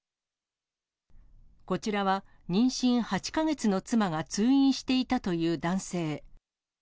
こちらは妊娠８か月の妻が通院していたという男性。